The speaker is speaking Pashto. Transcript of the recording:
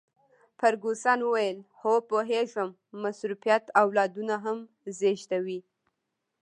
فرګوسن وویل: هو، پوهیږم، مصروفیت اولادونه هم زیږوي.